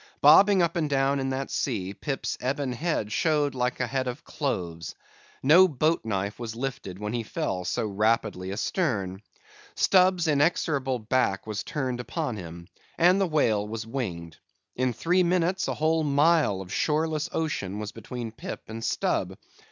Bobbing up and down in that sea, Pip's ebon head showed like a head of cloves. No boat knife was lifted when he fell so rapidly astern. Stubb's inexorable back was turned upon him; and the whale was winged. In three minutes, a whole mile of shoreless ocean was between Pip and Stubb.